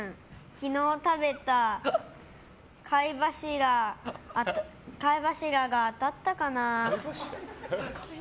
昨日食べた貝柱があたったかな。